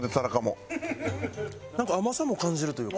なんか甘さも感じるというか。